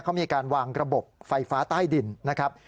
เขามีการวางระบบไฟฟ้าใต้ดินนะครับ